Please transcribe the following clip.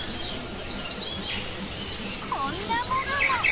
こんなものも！